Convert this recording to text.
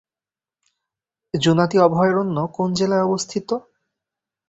জুনাতি অভয়ারণ্য কোন জেলায় অবস্থিত?